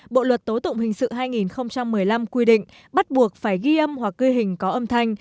bộ luật tố tụng hình sự hai nghìn một mươi năm quy định bắt buộc phải ghi âm hoặc ghi hình có âm thanh